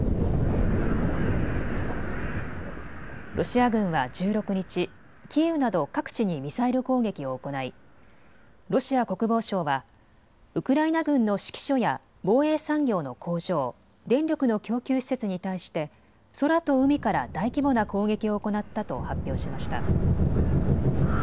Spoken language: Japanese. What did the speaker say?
ロシア軍は１６日、キーウなど各地にミサイル攻撃を行いロシア国防省はウクライナ軍の指揮所や防衛産業の工場、電力の供給施設に対して空と海から大規模な攻撃を行ったと発表しました。